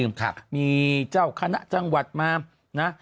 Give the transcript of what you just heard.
ด่างคุณทศมาร่วมพิธีมีเจ้าคณะจังหวัดมานะ